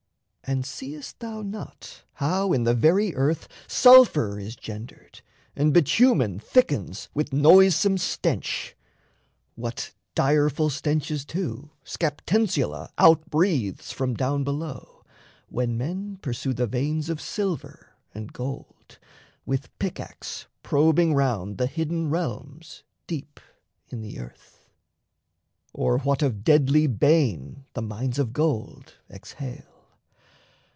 And seest thou not how in the very earth Sulphur is gendered and bitumen thickens With noisome stench? What direful stenches, too, Scaptensula out breathes from down below, When men pursue the veins of silver and gold, With pick axe probing round the hidden realms Deep in the earth? Or what of deadly bane The mines of gold exhale?